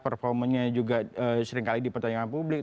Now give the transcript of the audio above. performanya juga seringkali dipertanyakan publik